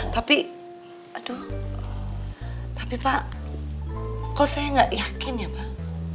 tapi aduh tapi pak kok saya gak yakin ya pak